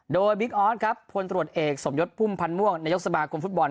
โดยบิ๊กออสครับพลตรวจเอกสมยศพุ่มพันธ์ม่วงนายกสมาคมฟุตบอล